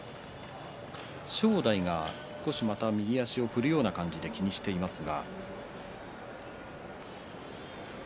正代が少しまた右足を振るような感じで気にしていますが。